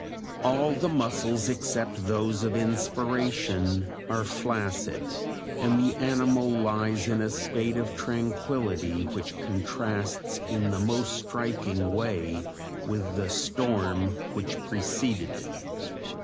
All the muscles except those of inspiration are flaccid, and the animal lies in a state of tranquility which contrasts in the most striking way with the storm which preceded it